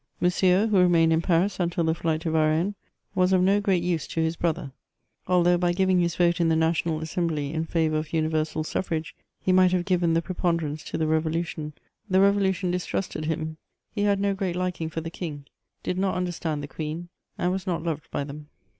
Monsieur^ who remained in Paris until the flight to Varennes, was of no great use to his brother ; although, by giving his vote in the National Assembly in favour of universal suffrage, he might have given the prepoaderance to the Revolution, the Revolution distrusted him ; he had no great liking for the king, did not understand the queen, and was not loved by them.